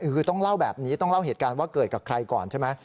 คือต้องเล่าแบบนี้ต้องเล่าเหตุการณ์ว่าเกิดกับใครก่อนใช่ไหม